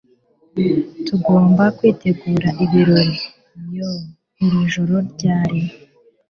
tugomba kwitegura ibirori. yoo, iri joro ryari